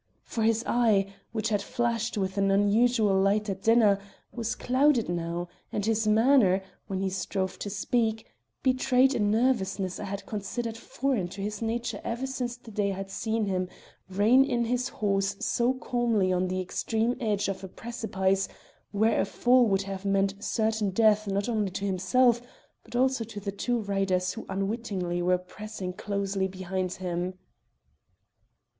For his eye, which had flashed with an unusual light at dinner, was clouded now, and his manner, when he strove to speak, betrayed a nervousness I had considered foreign to his nature ever since the day I had seen him rein in his horse so calmly on the extreme edge of a precipice where a fall would have meant certain death not only to himself, but also to the two riders who unwittingly were pressing closely behind him.